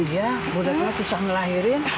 iya boleh lah susah ngelahirin